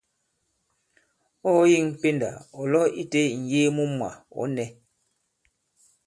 Ɔ̂ ɔ̀ yeŋ pendà ɔ̀ lo itē ì-ŋ̀yee mu mwà, ɔ̌ nɛ̄.